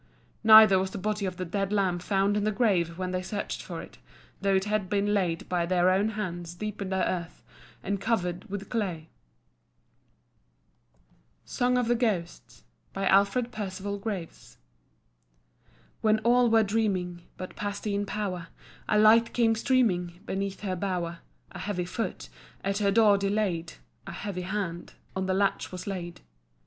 Neither was the body of the dead lamb found in the grave when they searched for it, though it had been laid by their own hands deep in the earth, and covered with clay. [Footnote 18: Ancient Legends of Ireland.] SONG OF THE GHOST. ALFRED PERCIVAL GRAVES. When all were dreaming But Pastheen Power, A light came streaming Beneath her bower: A heavy foot At her door delayed, A heavy hand On the latch was laid.